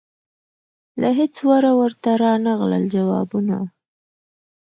له هیڅ وره ورته رانغلل جوابونه